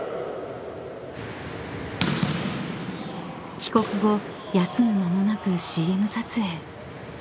［帰国後休む間もなくＣＭ撮影］